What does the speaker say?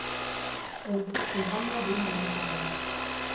Ez, epaia behin betikoa da.